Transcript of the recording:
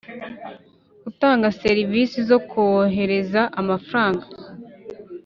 Utanga Ser isi zo kohereza amafaranga